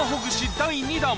第２弾